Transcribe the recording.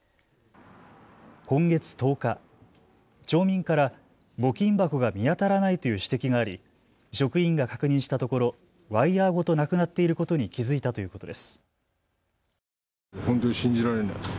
今月１０日、町民から募金箱が見当たらないという指摘があり職員が確認したところ、ワイヤーごとなくなっていることに気付いたということです。